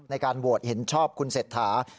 ในการโหวตเห็นชอบคุณเศรษฐา